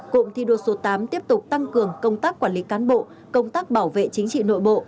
cụm thi đua số tám tiếp tục tăng cường công tác quản lý cán bộ công tác bảo vệ chính trị nội bộ